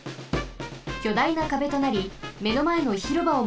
きょだいなかべとなりめのまえのひろばをまもります。